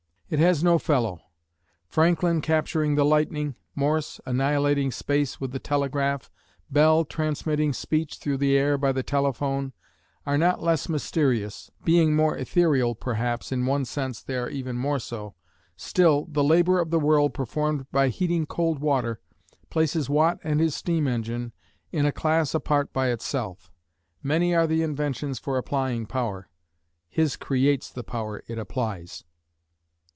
It has no fellow. Franklin capturing the lightning, Morse annihilating space with the telegraph, Bell transmitting speech through the air by the telephone, are not less mysterious being more ethereal, perhaps in one sense they are even more so still, the labor of the world performed by heating cold water places Watt and his steam engine in a class apart by itself. Many are the inventions for applying power; his creates the power it applies.